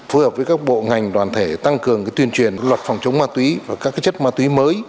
phù hợp với các bộ ngành đoàn thể tăng cường tuyên truyền luật phòng chống ma túy và các chất ma túy mới